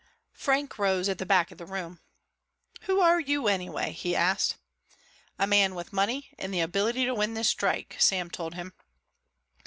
Frank rose at the back of the room. "Who are you anyway?" he asked. "A man with money and the ability to win this strike," Sam told him.